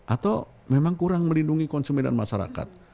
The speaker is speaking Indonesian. atau memang kurang melindungi konsumen dan masyarakat